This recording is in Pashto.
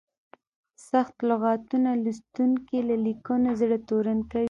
سخت لغتونه لوستونکي له لیکنو زړه تورن کوي.